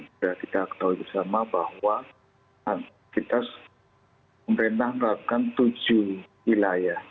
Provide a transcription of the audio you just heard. sudah kita ketahui bersama bahwa kita pemerintah menerapkan tujuh wilayah